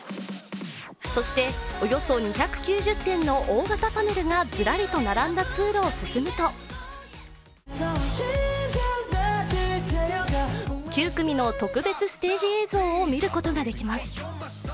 そして、およそ２９０点の大型パネルがズラリと並んだ通路を進むと９組の特別ステージ映像を見ることができます。